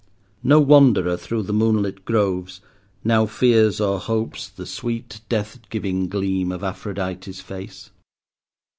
No wanderer through the moonlit groves now fears or hopes the sweet, death giving gleam of Aphrodite's face.